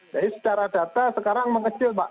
jadi secara data sekarang mengecil pak